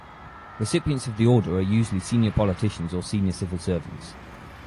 Recipients of the Order are usually senior politicians or senior civil servants.